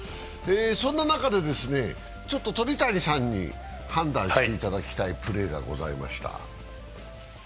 そんな中で、ちょっと鳥谷さんに判断していただきたいプレーがございました。